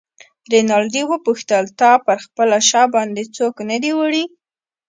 رینالډي وپوښتل: تا پر خپله شا باندې څوک نه دی وړی؟